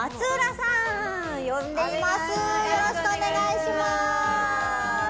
よろしくお願いします